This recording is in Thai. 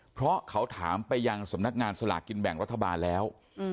เพราะเขาถามไปยังสำนักงานสลากกินแบ่งรัฐบาลแล้ว